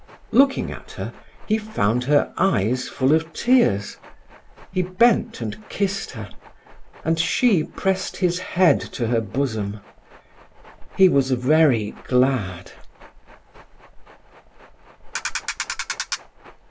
Looking at her, he found her eyes full of tears. He bent and kissed her, and she pressed his head to her bosom. He was very glad.